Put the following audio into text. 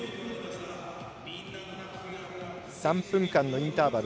３分間のインターバル。